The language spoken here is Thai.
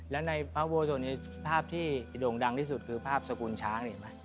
และในพระอุโบสถภาพที่ดงดังที่สุดคือภาพสกุลช้าง